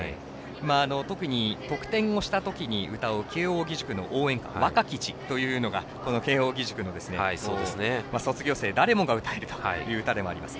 特に得点をしたときに歌う慶応義塾の応援歌「若き血」という歌は慶応義塾の卒業生誰もが歌えるという歌でもあります。